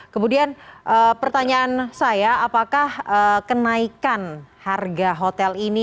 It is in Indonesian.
kemudian pertanyaan saya apakah kenaikan harga hotel ini